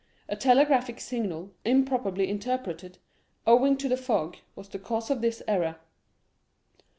A telegraphic signal, improperly interpreted, owing to the fog, was the cause of this error."